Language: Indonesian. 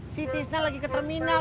si tisna lagi ke terminal